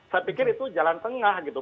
saya pikir itu jalan tengah gitu